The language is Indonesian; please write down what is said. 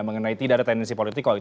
mengenai tidak ada tendensi politik